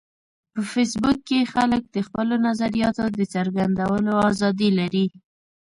په فېسبوک کې خلک د خپلو نظریاتو د څرګندولو ازادي لري